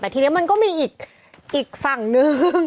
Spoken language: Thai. แต่ทีนี้มันก็มีอีกฝั่งนึง